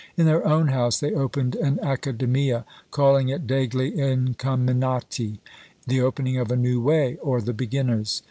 In their own house they opened an Accademia, calling it degli Incaminati, "the opening a new way," or "the beginners."